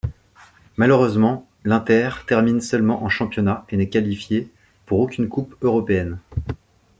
Malheureusement l'Inter termine seulement en championnat et n'est qualifié pour aucune coupe européenne.